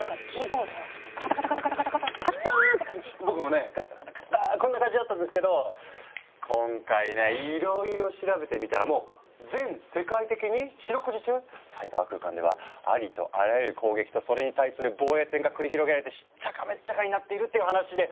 僕もねカタカタカタカッターンこんな感じだったんですけど今回ねいろいろ調べてみたらもう全世界的に四六時中サイバー空間ではありとあらゆる攻撃とそれに対する防衛戦が繰り広げられてしっちゃかめっちゃかになっているっていう話で。